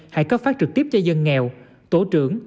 hãy cấp phát trực tiếp cho dân nghèo tổ trưởng